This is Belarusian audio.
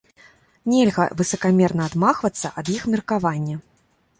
Нельга высакамерна адмахвацца ад іх меркавання.